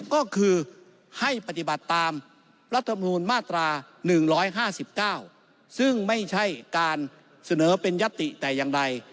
ก็คือให้ปฏิบัติตามรัฐมนูลมาตรา๑๕๙ซึ่งไม่ใช่การเสนอเป็นยัตติแต่อย่างใด